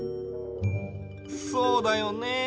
そうだよね。